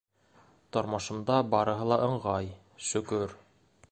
Тормошомда барыһы ла ыңғай, шөкөр.